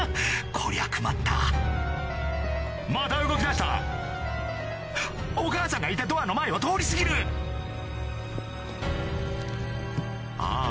こりゃクマったまた動きだしたお母さんがいたドアの前を通り過ぎるあぁ